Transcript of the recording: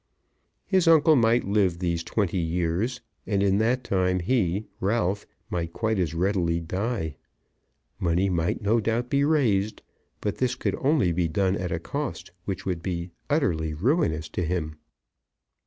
His uncle might live these twenty years, and in that time he, Ralph, might quite as readily die. Money might no doubt be raised, but this could only be done at a cost which would be utterly ruinous to him.